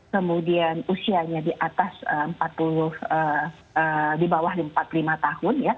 kemudian usianya di atas empat puluh lima tahun